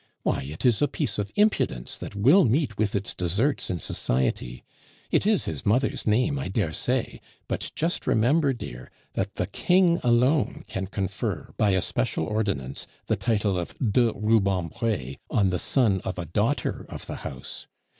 Why, it is a piece of impudence that will meet with its desserts in society. It is his mother's name, I dare say; but just remember, dear, that the King alone can confer, by a special ordinance, the title of de Rubempre on the son of a daughter of the house.